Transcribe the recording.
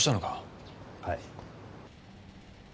はい。